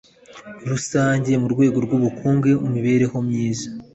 rusange mu rwego rw ubukungu imibereho myiza